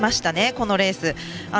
このレース。